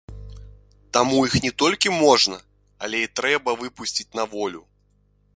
Таму іх не толькі можна, але і трэба выпусціць на волю.